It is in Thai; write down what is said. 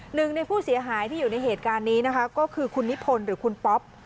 หนึ่งในผู้เสียหายที่อยู่ในเหตุการณ์นี้นะคะก็คือคุณนิพนธ์หรือคุณป๊อป